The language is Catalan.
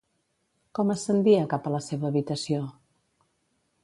Com ascendia cap a la seva habitació?